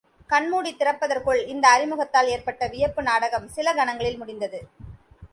கண் மூடித் திறப்பதற்குள் இந்த அறிமுகத்தால் ஏற்பட்ட வியப்பு நாடகம், சில கணங்களில் முடிந்தது.